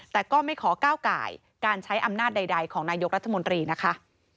แต่ก็ไม่ขอก้าวไก่การใช้อำนาจใดของนายกรัฐมนตรีนะคะ